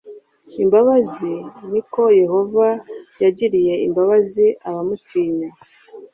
imbabazi ni ko yehova yagiriye imbabazi abamutinya